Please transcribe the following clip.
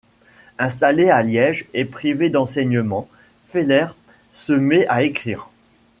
Installé à Liège - et privé d’enseignement - Feller se met à écrire.